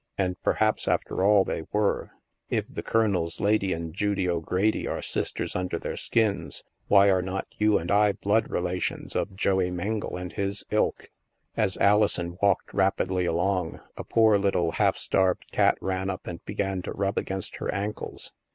And perhaps, after all, they were. If " the Colonel's lady and Judy O'Grady are sisters under their skins," why are not you and I blood relations of Joey Mengle and his ilk? As Alison walked rapidly along, a poor little half starved cat ran up and began to rub against her ankles.